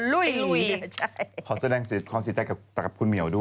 อะเค้าแฟนเค้าตอนนี้ก่อนเมื่อกี้สิ๑๙๙๕